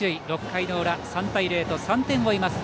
６回の裏、３対０と３点を追います